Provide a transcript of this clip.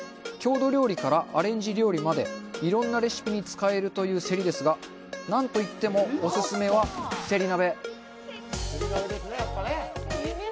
郷土料理からアレンジ料理までいろんなレシピに使えるというせりですが、なんといっても、お勧めはせり鍋。